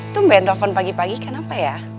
tumben telepon pagi pagi kan apa ya